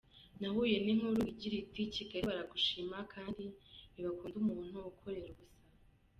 Nahuye n’inkuru igira iti Kigali baragushima, kandi ntibakunda umuntu ukorera ubusa!